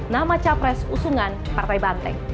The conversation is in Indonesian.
nama capres usungan partai banteng